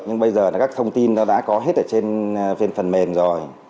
nhưng bây giờ các thông tin đã có hết ở trên phần mềm rồi